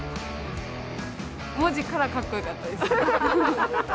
文字からかっこよかったです。